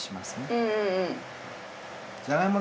うん。